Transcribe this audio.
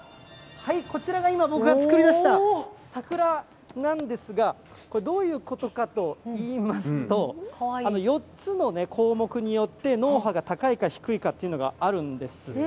はい、こちらが今、僕が作り出した桜なんですが、これ、どういうことかといいますと、４つの項目によって脳波が高いか低いかというのがあるんです。